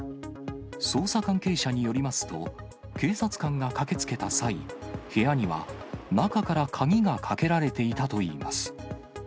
捜査関係者によりますと、警察官が駆けつけた際、部屋には中から鍵がかけられていたといいます。